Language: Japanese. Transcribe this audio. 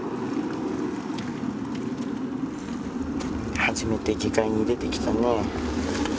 初めて下界に出てきたね。